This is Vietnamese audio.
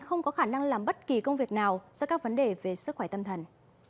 không có khả năng làm bất kỳ công việc nào do các vấn đề về sức khỏe tâm thần